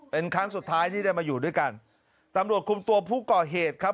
เป็นครั้งสุดท้ายที่ได้มาอยู่ด้วยกันตำรวจคุมตัวผู้ก่อเหตุครับ